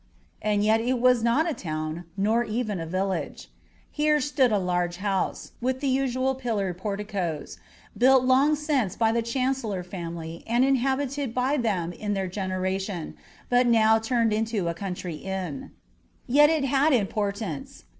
And yet it was not a town, nor even a village. Here stood a large house, with the usual pillared porticoes, built long since by the Chancellor family and inhabited by them in their generation, but now turned into a country inn. Yet it had importance.